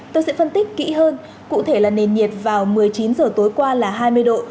tôi sẽ phân tích kỹ hơn cụ thể là nền nhiệt vào một mươi chín h tối qua là hai mươi độ